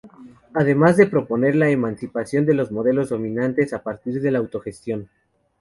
Además de proponer la emancipación de los modelos dominantes a partir de la autogestión.